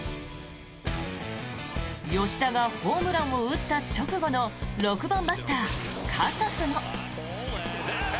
吉田がホームランを打った直後の６番バッター、カサスも。